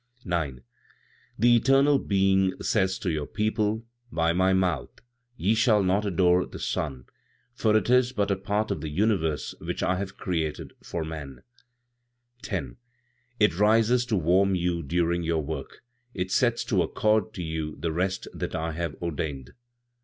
9. "The eternal Being says to your people, by my mouth, 'Ye shall not adore the sun, for it is but a part of the universe which I have created for man; 10. "It rises to warm you during your work; it sets to accord to you the rest that I have ordained.